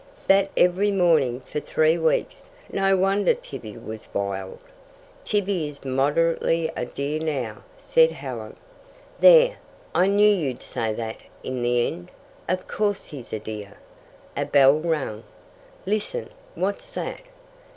"That every morning for three weeks. No wonder Tibby was wild." "Tibby is moderately a dear now," said Helen. "There! I knew you'd say that in the end. Of course he's a dear." A bell rang. "Listen! what's that?"